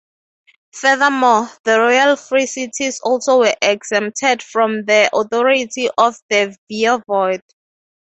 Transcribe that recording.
Furthermore, the royal free cities also were exempted from the authority of the "voivode".